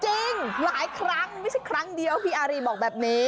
จริงหลายครั้งไม่ใช่ครั้งเดียวพี่อารีบอกแบบนี้